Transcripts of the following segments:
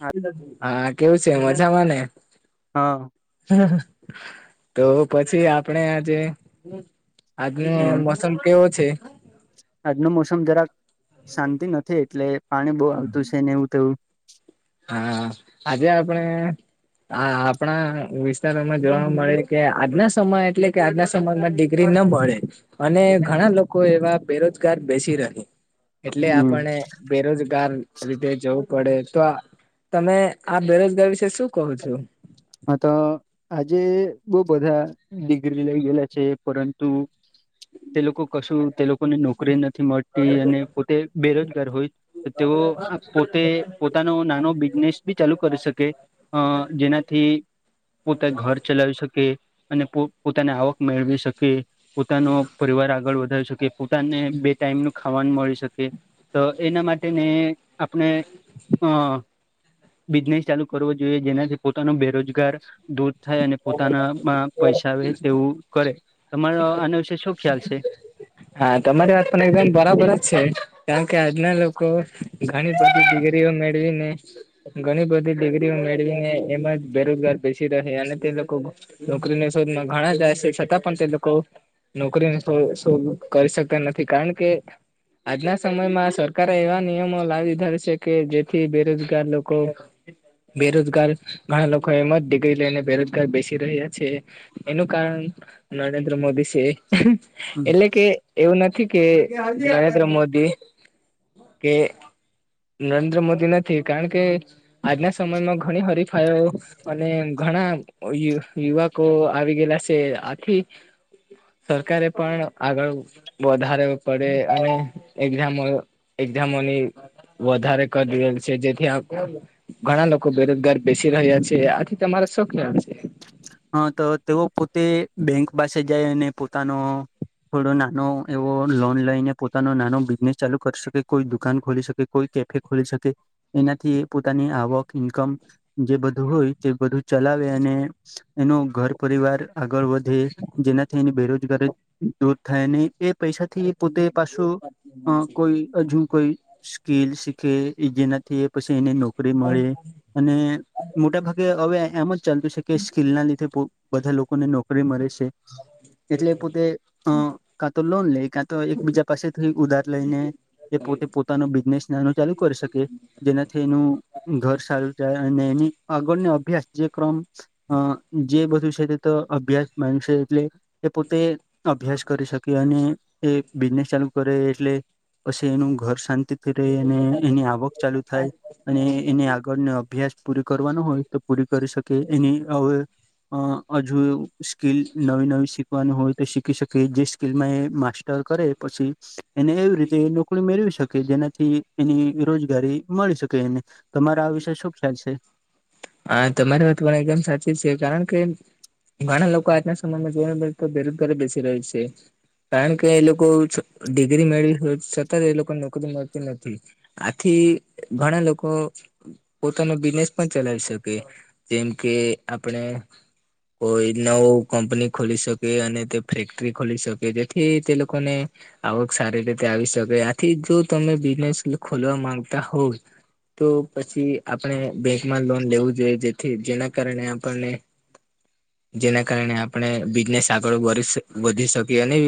હા હા કેવું છે મજામાં ને તો પછી આપડ આજે આજે મોસમ કેવું હ છે. આજનો મોસમ જરાક શાંતિ નથી એટલે પાણી બહુ આવતું છે ને એવું થવુ. હા આજે આપણે આ આપણા વિસ્તારોમાં જોવા મળે કે આજના સમય એટલે કે આજના સમયમાં ડિગ્રી ના મળે અને ઘણા લોકો લોકો એવા બેરોજગાર બેસી રહી એટલે આપણે બેરોજગાર રીતેે જવું પડે તો તમે આ બેરોજગારી વિશે શું કહો છો. હ તો આજે બઉ બધા ડિગ્રી લઈ ગયેલા છે, પરંતુ તે લોકો કશું તે લોકો કોને નોકરી નથી મળતી અને પોતે બેરોજગાર હોય તો તેઓ પોતે પોતાનો નાનો બિઝનેસ બી ચાલુ કરી શકે અ જેના થી પોતે ઘર ચલાવી શકે અને પો પોતાની આવક મેળવી શકે પોતાનો પરિવાર આગળ વધારી શકે પોતાને બે ટાઈમ ન ખાવાનું મળી શકે તો એના માટે આપણે અ બિઝનેસ ચાલુ કરવો જોઈએ જેનાથી પોતાનો બેરોજગાર દૂર થાય અને પોતાનામાં પૈસા આવે તેવું કરે તમારા આ શું ખ્યાલ છે. હા તમારી વાત પણ એકદમ બરાબર જ છે, કારણ કે આજના લોકો ઘણી બધી ડિગ્રીઓ મેળવી ને ઘણી બધી ડિગ્રીઓ મેળવીને એમાં જ બેરોજગાર બેેસીી રહે અને તે લોકો. નોકરીને શોધમાં ઘણા જાય છે છતાં પણ તે લોકો નોકરીને શોધ કરી શકતા નથી કારણ કે આજના સમયમાં સરકારે એવા નિયમો લાવી દીધા છે કે જેથી બેરોજગાર લોકો બેરોજગાર ઘણા લોકો એમ જ દિગરી લઈને બેરોજગાર બેસી રહ્યા છે. એનું કારણ નરેન્દ્ર મોદી છે. હમ એટલે કે એવું નથી કે નરેન્દ્ર મોદી કે નરેન્દ્ર મોદી નથી કારણ કે આજના સમયમાં ઘણી હરીફાઈ અને ઘણા યુવકો આવી ગયેલા છે, આથી સરકારે પણ આગળ વધારે પડે અને એક્ઝામ એક્ઝામોની વધારે કરી દેલ છે જેથી આ ઘણા લોકો બેરોજગાર બેસી રહ્યા છે આથી તમારા શોખ ક છે હા તો તેઓ પોતે બેંક પાસે જાય અને પોતાનો થોડો નાનો એવો લોન લઈને પોતાનો નાનો બિઝનેસ ચાલુ કરી શકે કોઈ દુકાન ખોલી શકે કોઈ કે ખોલી શકે એનાથી પોતાની આવક ઈન્કમ જે બધું હોય તે બધું ચલાવે અને એનો ઘર પરિવાર આગળ વધે જેનાથી એની બેરોજગારી દૂર થાયને એ પૈસા થી પોતે પાછું અ કોઈ હજુ કોઈ સ્કીલ શીખે જેના થ એ પછી એને નોકરી મળે અને મોટા ભાગે હવે એમ જ ચાલતું છે કે ખલના લીધે બધા લોકોને નોકરી મળે છે એટલે પોતે અ કાં તો લોન લઈ કા તો એકબીજા પાસેથીઈ ઉધાર લઈ ને એ પોતે પોતાનો બિઝનેસ નાનો ચાલુ કરી શકે જેનાથી એનું ઘર સારું જાય અને એની આગળનો અભ્યાસ જે ક્રમ અ જે બધું છે તે તો અભ્યાસ માનશે એટલે એ પોતે અભ્યાસ કરી શકે અને એ બિઝનેસ ચાલુ કરે એટલે હછ એનું ઘર શાંતિ અને એની આવક ચાલુ થાય અને એને આગળ અભ્યાસ પૂરો કરવાનો હોય પૂરી કરી શકે એની હવે હજુ સ્કીલ નવી નવી શનું હોય તો શીખી શકે જે સ્કીલમાં એ માસ્ટર કરે પછી એને એવી રીતે નોકરી મેળવી શકે જેનાથી એની રોજગારી મળી શકે એને તમારો આ વિષય શું ખ્યાલ છે હા તમારી વાત પણ એકદમ સાચી જ છે કારણ કે ઘણા લોકો આજના સમયમાં જોવા મળે તો બેરોજગારી બેસી રહે છે કારણ કે એ લોકો ડિગ્રી મેળવી છતાં એ લોકોને નોકરી મળતી નથી આથી ઘણા લોકો પોતાનો બિઝનેસ પણ ચલાવે છે તો કે જેમ કે આપણે કોઈ નવ કંપની ખોલી શકે અને તે ફેક્ટરી ખોલી શકે જેથી તે લોકોને આવક સારી રીતે આવી શકે આથી જો તમે બિઝનેસ ખોલવા માંગતા હોય તો પછી આપણે બેંકમાં લોન લેવું જોઈએ જેથી જેના કારણે આપણને જેના કારણે આપણે બિઝનેસ આગળ વરી વધી શકીએ અને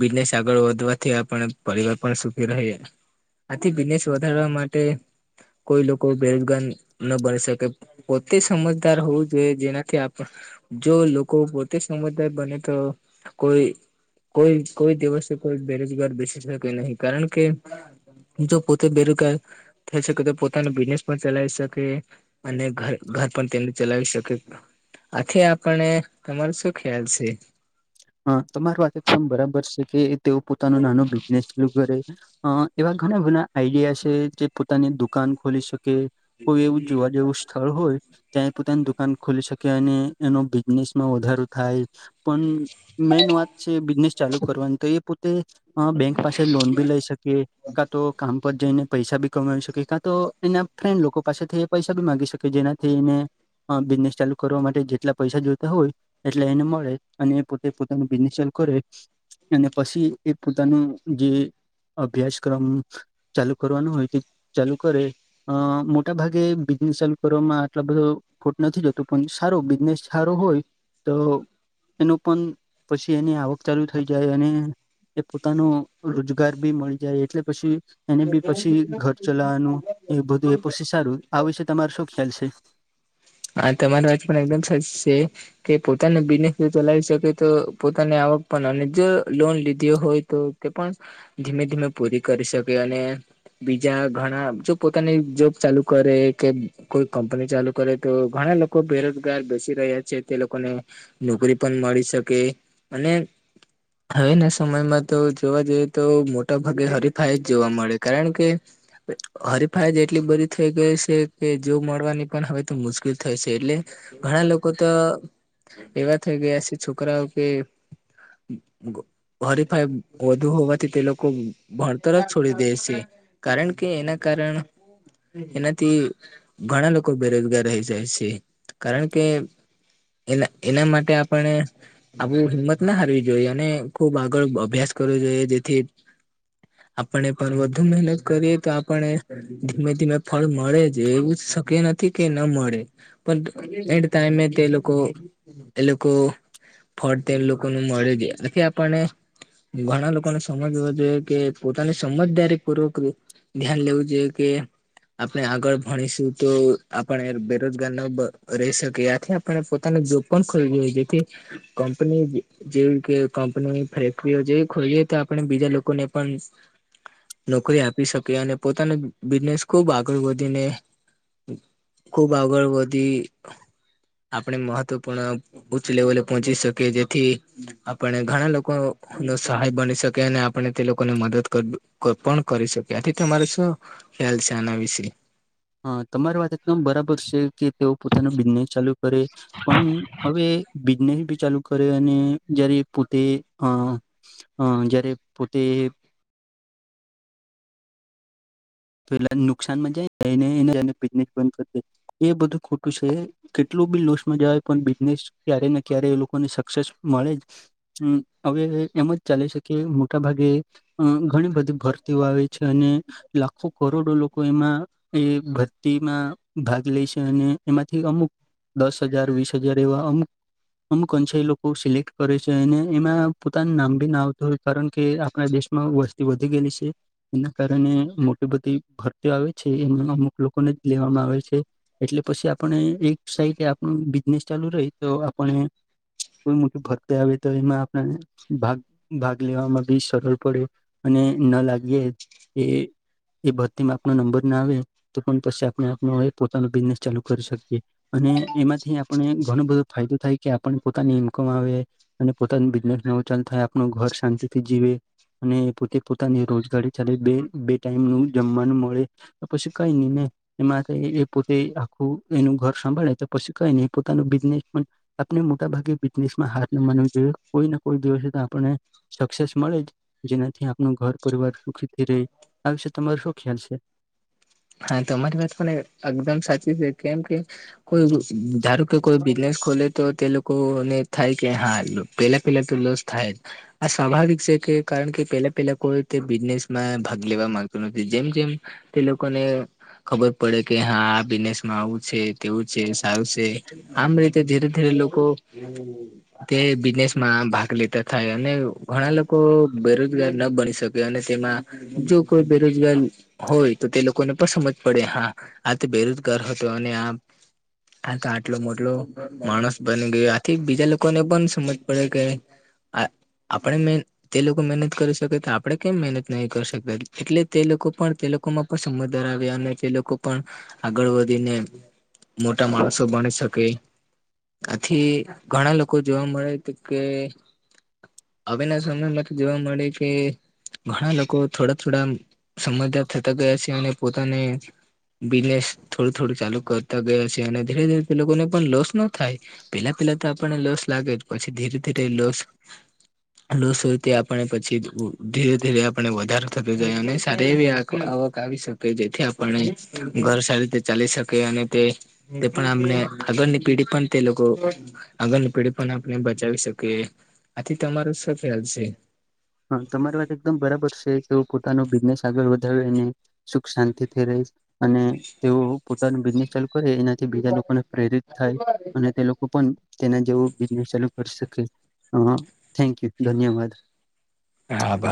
બિઝનેસ આગળ વધવાથી આપ પરિવાર પણ સુખી રહે આથી બિઝનેસ વધારવા માટે કોઈ લોકો બેરોજગાર ન બળશે કે પોતે સમજદાર હોવું જોઈએ, જેનાથી આપણે જો લોકો પોતે સમજદાર બને તો કોઈ કોઈ કોઈ દિવસે કોઈ બેરોજગાર બેસી શકે નહીં કારણ કે, જો પોતે બેરોજગાર થઈ શકે, તો પોતાનો બિઝનેસ પણ ચલાવી શકે. અને ઘર ધર પણ તેમને ચલાવી શકે. આથી આપણે તમારો શું ખ્યાલ છે. હા તમારી વાત એકદમ બરાબર છે, કે તેઓ પોતાનું નાનો બિઝનેસ ચાલુ કરે. અ એવા ઘણા ઘણા આઈડિયા છે, જે પોતાની દુકાન ખોલી શકે. કે કોઈ એવું જોવા જેવું સ્થળ હોય ત્યાં, પોતાની દુકાન ખોલી શકે અને એનો બિઝનેસમાં વધારો થાય પણ. મેન વાત છે, બિઝનેસ ચાલુ કરવાની તો એ પોતે અ બેંક પાસે લોન બી લઈ શકે કાતો, કામ પર જઈને પૈસા બી કમાવી શકે કાતો એના ફ્રેન્ડ લોકો પાસેથી પૈસા બી મા માંગી શકે જેનાથી એને. બિઝનેસ ચાલુ કરવા માટે જેટલા પૈસા જોતા હોય, એટલા એને મળે અને એ પોતાનું બિઝનેસ કરે અને પછી એક. પોતાનું જે અભ્યાસક્રમ. ચાલુ કરવાનું હોય તે ચાલુ કરે, અ મોટા ભાગે બિઝનેસ ચાલુ કરવામાં આટલો બધો ખોટ નથી જતો પણ સારો બિઝનેસ સારો હોય. તો, એનું પછી એની આવક ચાલુ થઈ જાય અને એ પોતાનો રોજ. ઘર બી મળી જાય એટલે પછી એને બી પછી ઘર ચલાવાનું, એ બધું એ પછી સારું આ વિશે તમારે શું ખ્યાલ છે, હા તમારી વાત પણ એકદમ સાચી છે, કે પોતાનો બિઝનેસ ચલાવી શકેતો પોતાની આવક પણ અનેજો લોન લીધો હોય તો, તે પણ ધીમે ધીમે પૂરી કરી શકે, અને બીજા ઘણા જો પોતાની જોબ ચાલુ કરે કે કોઈ કંપની ચાલુ કરે, તો ઘણા લોકો બેરોજગાર બેસી રહ્યા છે, તે લોકોને નોકરી પણ મળી શકે. અને, હવેના સમયમાં તો જોવા જઈએ તો મોટા ભાગે હરીફાઈ જ જોવા મળે કારણ કે, હરિફાઈજ એટલી બધી થઈ ગઈ છે, કે મજો મળવાની પણ હવે. તો મુશ્કેલ થાય છે, એટલે ઘણા લોકો તો. એવા થઇ ગયા છે, છોકરા ઓકે હરીફાઈ વધુ હોવાથી તે લોકો ભણતર જ છોડી દે છે, કારણ કે, એના કારણ એનાથી ઘણા લોકો બેરોજગાર. થઈ જાય છે, કારણ કે એ એના માટે આપણે આવું હિંમતના હારવી જોઈએ, અને ખુબ આગળ અભ્યાસ કરવો જોઈએ જેથી. આપણે પણ વધુ મહેનત કરીએ તો આપણે, ધીમે ધીમે ફળ મળે છે, એવું જ શક્ય નથી કે. ના મળે પણ એ ટાઈમે તે લોકો એ લોકો, ફળ તે લોકો ન મળે છે કે આપને, ઘણા લોકોને સમજવું જોઈએ કે પોતાની સમજદારી પૂવૅક. ધ્યાન લેવું જોઈએ, કે આપણે આગળ ભણીશું તો, પણ બેરોજગાર ન રહી શકે આથી આપણે પોતાનો જોબ પણ ખોલ જોઈએ જેથી. કંપની, જેવી કે કંપનીની ફેક્ટરીઓ જેવી ખોલીએ તો આપણે બીજા લોકોને પણ. નોકરી આપી શકે અને પોતાની બિઝનેસ ખુબ આગળ વધીને, ખુબ આગળ વધી, આપણે મહત્વપૂર્ણ ઉચ્ચ લેવલે પહોંચી શકીએ જેથી, આપણે ઘણા લોકોનો સહાય બની શકે અને આપણે તે લોકોને મદદ કરવી. કોઈપણ કરી શકે આથી તમારો શું ખ્યાલ છે, આના વિશે હા તમારી વાત એકદમ બરાબર છે કે તેઓ પોતાનું બિઝનેસ ચાલુ કરે પન હવે બિઝનેસ બી ચાલુ કરે અને જ્યારે પોતે અ અ જયારે પોતે પેલા નુકસાન માં [inaudible] બિઝનેસ બંધ કરી દે એ બધું ખોટું છે કેટલું બી લોસમાં જવાય પણ બિઝનેસ ક્યારે ને ક્યારે એ લોકોને સક્સેસ મળે જ હમ અવે એમ જ ચાલે શેકે મોટા ભાગે અ ઘણી બધી ભરતીઓ આવે છે અને ખ કરોડો લોકો એમાં એ ભરતીમાં ભાગ લે છે અને એમાંથી અમુક દસ હજાર વીસ હજાર એવા અમ અમુક [unintelligible] છે લોકો સિલેક્ટ કરે છે અને એમાં પોતાનું નામ બી ના આવતું હોય કારણ કે આપણા દેશમાં વસ્તી વધી ગયેલી છે એના કારણે એ બધી ભરતી આવે છે એમાં અમુક લોકોને જ લેવામાં આવે છે એટલે પછી આપણે એક સાઈડ આપણુ બિઝનેસ ચાલુ રહી તો આપણે કોઈ મોટી ભરતી આવે તો એમાં આપણને ભાગ ભાગ લેવામાં બી સરળ પડે અને ન લાગી એ એ ભરતીમાં આપનો નંબર ના આવે તો પણ પનો આપ પોતાનો બિઝનેસ ચાલુ કરી શકીએ અને એમાંથી આપણે ઘણો બધો ફાયદો થાય કે આપને પોતાની ઈન્કમ આવે અને પોતાની બિઝનેસ નેવો ચાલુ થાય આપણું ઘર શાંતિ થી જીવે અને પોતે પોતાની રોજગારી ચાલે બે બે ટાઈમ નુ જમવાનું મળે તો પછી કઈ નઈ ને એમાં કઈ એ પોતે આખું એનું ઘર સંભાળે તો પછી કઈને પોતાનું બિઝનેસ પન આપને મોટાભાગે બિઝનેસ માં હાર ન માનવી જોઈએ કોઈને કોઈ દિવસે તો આપને સક્સેસ મળે જ જેનાથી આપનુ ઘર પરિવાર સુખી થી રેય આ વિશે તમારો શું ખ્યાલ છે હા તમારી વાત પણ એકદમ સાચી છે કેમ કે કોઈ ધારો કે કોઈ બિઝનેસ ખોલે તો તે લોકો ને થાય કે હા પેલા પેલા તો લોસ થાય જ આ સ્વાભાવિક છે કે કારણ કે પેલા પેલા કોઈ તે બિઝનેસ માં ભાગ લેવા માંગતો નથી જેમ જેમ તે લોકોને ખબર પડે કે હા આ બિઝનેસમાં આવું છે તેવું છે સારું છે આમ રીતે ધીરે ધીરે લોકો તે બિઝનેસ માં ભાગ લેતા થાય અને ઘણા લોકો બેરોજગાર ન બની શકે અને તેમાં જો કોઈ બેરોજગાર હોય તો તે લોકોને પન સમજ પડે હા આ તો બેરોજગાર હતો અને આ આ તો આટલો મોટલો માણસ બની ગયો આથી બીજા લોકોને પન સમજ પડે કે આ આપણે મેન તે લોકો મહેનત કરી શકે તો આપણેે કેમ મહેનત નહી કરી શકતા એટલે તે લોકો પણ તે લોકોમાં પણ સમજદાર આવ્યા અને તે લોકો પણ આગળ વધીને મોટા માણસો બની શકે આથી ઘણા લોકો જોવા મળે કે કે [unintelligible] જોવા મળે કે ઘણા લોકો થોડા થોડા આમ સમજદાર થતા ગયા છે અને પોતાને બિઝનેસ થોડું થોડું ચાલુ કરતા ગયા છે અને ધીરે ધીરે તે લોકોને પણ લોસ ન થાય પેલા પેલા તો આપણને લોસ લાગે પછી ધીરે ધીરે લોસ લોસ હોય તે આપણે પછી ધીરે ધીરે આપણે વધારો થતો જાય અને સારી એવી આવક આવી શકે જેથી આપને ઘર સારી રીતે ચાલી શકે અને તે તે પણ આમને આગળની પેઢી પણ તે લોકો આગળની પેઢી પણ આપને બચાવી શકી આથી તમારો શુ ખ્યાલ છે હા તમારી વાત એકદમ બરાબર છે કે પોતાનું બિઝનેસ આગળ વધાવીને સુખ શાંતિથી રહી અને તેઓ પોતાનું બિઝનેસ ચાલુ કર એનાથી બીજા લોકોને પ્રેરિત થાય અને તે લોકો પણ તેના જેવો બિઝનેસ ચાલુ કરી શકે. હા થેન્ક યુ ધન્યવાદ હા આભાર.